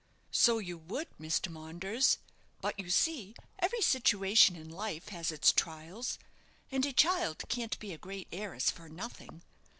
"So you would, Mr. Maunders. But you see every situation in life has its trials, and a child can't be a great heiress for nothing.